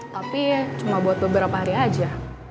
tapi cuma buat beberapa hari aja